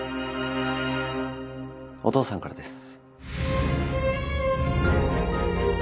お父さんからです。